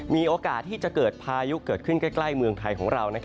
มีโอกาสที่จะเกิดพายุเกิดขึ้นใกล้เมืองไทยของเรา